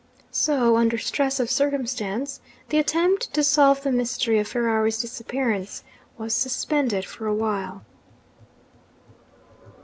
So, under stress of circumstances, the attempt to solve the mystery of Ferrari's disappearance was suspended for a while.